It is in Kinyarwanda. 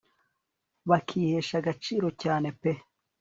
bakihesha agaciro cyane pe